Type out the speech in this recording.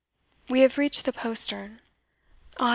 We have reached the postern. Ah!